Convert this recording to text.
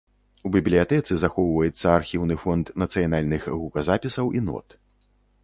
У бібліятэцы захоўваецца архіўны фонд нацыянальных гуказапісаў і нот.